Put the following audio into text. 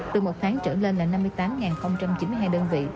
từ một tháng trở lên là năm mươi tám chín mươi hai đơn vị